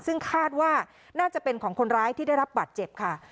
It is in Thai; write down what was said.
ซึ่งคาดว่าน่าจะเป็นของคนร้ายที่ได้รับบาดเจ็บค่ะ